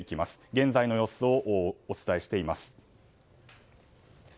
現在の様子をお伝えしています。